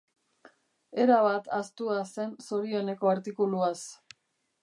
Erabat ahaztua zen zorioneko artikuluaz.